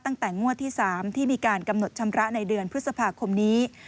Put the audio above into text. ตั้งแต่งวดที่๓ที่มีการกำหนดชำระในเดือนพฤษภาคมนี้